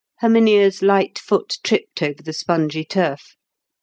Herminia's light foot tripped over the spongy turf.